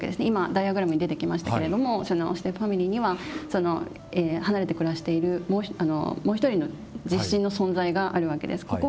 今ダイアグラムに出てきましたけれどもそのステップファミリーには離れて暮らしているもう一人の実親の存在があるわけです。